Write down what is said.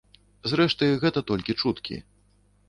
Зрэшты, гэта толькі чуткі.